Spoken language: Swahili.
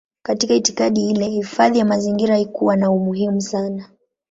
Katika itikadi ile hifadhi ya mazingira haikuwa na umuhimu sana.